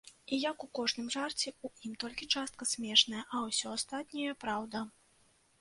І як у кожным жарце, у ім толькі частка смешная, а ўсё астатняе праўда.